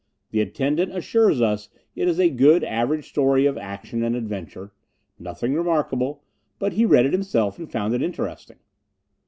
The attendant assures us it is a good average story of action and adventure. Nothing remarkable, but he read it himself, and found it interesting.